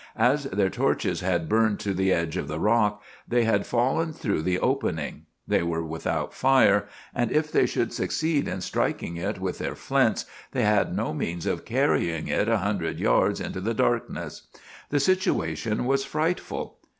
As their torches had burned to the edge of the rock they had fallen through the opening. They were without fire, and if they should succeed in striking it with their flints, they had no means of carrying it a hundred yards into the darkness. The situation was frightful.